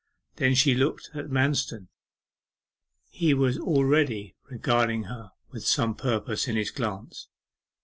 Then she looked at Manston; he was already regarding her with some purpose in his glance.